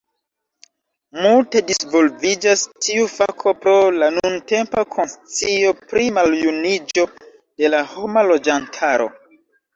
Multe disvolviĝas tiu fako pro la nuntempa konscio pri maljuniĝo de la homa loĝantaro.